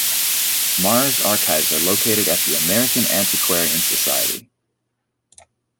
Maurer's archives are located at the American Antiquarian Society.